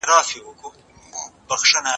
د جهاني عمر به وروسته نذرانه دروړمه